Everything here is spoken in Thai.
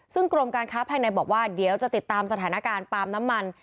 ซึ่งกรมการค้าภายในบอกว่าเดี๋ยวจะติดตามสถานการณ์ปาล์มน้ำมัน